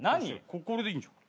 これでいいんじゃん。